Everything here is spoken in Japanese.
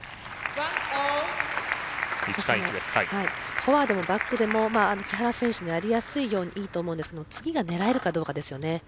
フォアでもバックでも木原選手のやりやすいようにやっていいと思うんですが次が狙えるかどうかですね。